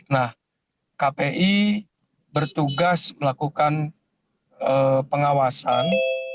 nah kpi bertugas melakukan pengawasan